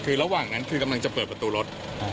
คือระหว่างนั้นคือกำลังจะเปิดประตูรถ